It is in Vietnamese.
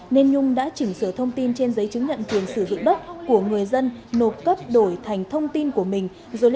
nên nhung đã chỉnh sửa thông tin trên giấy chứng nhận quyền sử dụng đất của người dân nộp cấp đổi thành thông tin của mình